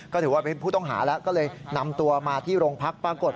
ก็ถือว่าเป็นผู้ต้องหาแล้วก็เลยนำตัวมาที่โรงพักปรากฏ